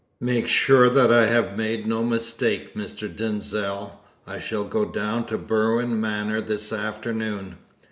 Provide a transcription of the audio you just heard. "Make sure that I have made no mistake, Mr. Denzil. I shall go down to Berwin Manor this afternoon.